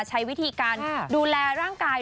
ใช้วิธีการดูแลร่างกาย